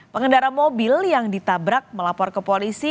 pengendara mobil yang ditabrak melapor ke polisi